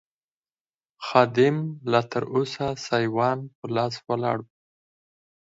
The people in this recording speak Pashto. خادم لا تراوسه سایوان په لاس ولاړ و.